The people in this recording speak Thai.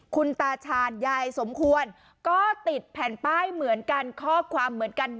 คุณตาชาญยายสมควรก็ติดแผ่นป้ายเหมือนกันข้อความเหมือนกัน